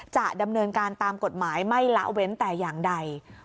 จะดำเนินการตามกฎหมายไม่ละเว้นแต่อย่างใด